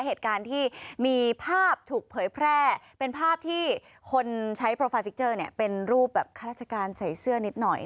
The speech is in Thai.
เหตุการณ์ที่มีภาพถูกเผยแพร่เป็นภาพที่คนใช้โปรฟาซิกเจอร์เนี่ยเป็นรูปแบบข้าราชการใส่เสื้อนิดหน่อย